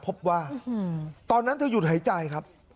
พบว่าตอนนั้นเธอหยุดหายใจครับ